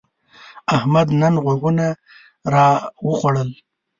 احمد نن غوږونه راوخوړل.